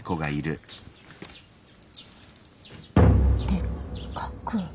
でっかく。